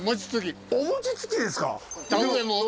お餅つきですか。